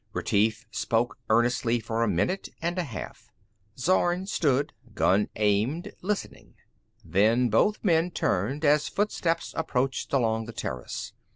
Retief spoke earnestly for a minute and a half. Zorn stood, gun aimed, listening. Then both men turned as footsteps approached along the terrace.